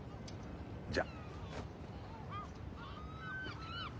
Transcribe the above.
じゃ。